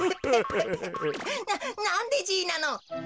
ななんでじいなの？